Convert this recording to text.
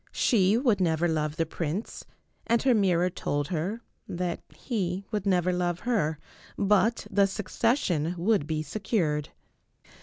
She would never love the prince, and her mirror told her that he would never love her, but the succession would be secured.